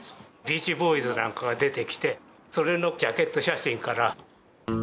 ビーチボーイズなんかが出てきてそれのジャケット写真から。